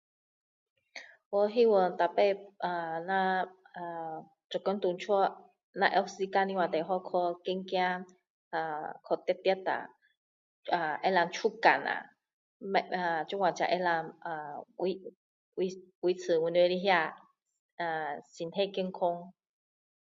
我希望每次 ahh 那 ahh 做工回家，那有时间的话最好是 ahh 去走走 ahh 去跑跑啦，ahh 能够出汗啦, [unintelligible] ahh 这样才能 ahh [unintelligible] 维，维持我们的那 [ahh} 身体健康